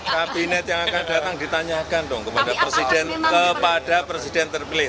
kabinet yang akan datang ditanyakan kepada presiden terpilih